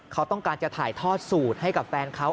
เขาต้องการจะถ่ายทอดสูตรให้กับแฟนเขา